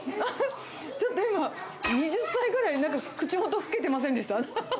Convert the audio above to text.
ちょっと今、２０歳ぐらい、なんか口元、老けてませんでした？